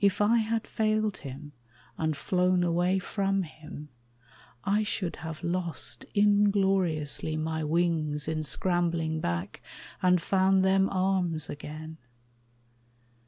If I had failed him And flown away from him, I should have lost Ingloriously my wings in scrambling back, And found them arms again.